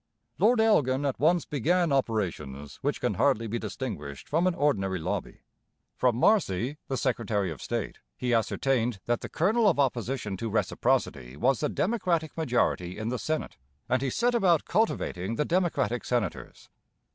Lord Elgin at once began operations which can hardly be distinguished from an ordinary lobby. From Marcy, the secretary of state, he ascertained that the kernel of opposition to reciprocity was the Democratic majority in the Senate, and he set about cultivating the Democratic senators.